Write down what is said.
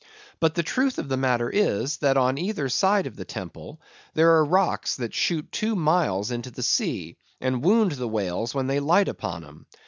But the truth of the Matter is, that on either side of the Temple, there are Rocks that shoot two Miles into the Sea, and wound the Whales when they light upon 'em.